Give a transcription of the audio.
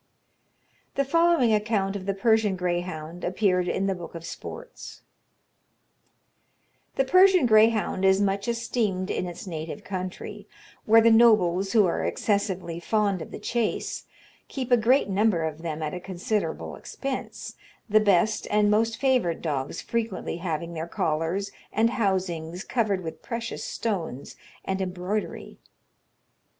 The following account of the Persian greyhound appeared in the "Book of Sports:" "The Persian greyhound is much esteemed in its native country, where the nobles, who are excessively fond of the chase, keep a great number of them at a considerable expense, the best and most favoured dogs frequently having their collars and housings covered with precious stones and embroidery.